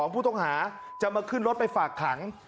ผู้ต้องหาจะมาขึ้นรถไปฝากขัง